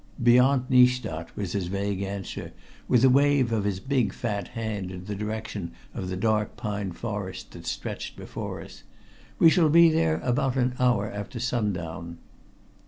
"Beyond Nystad," was his vague answer with a wave of his big fat hand in the direction of the dark pine forest that stretched before us. "We shall be there about an hour after sundown."